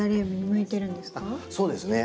そうですね。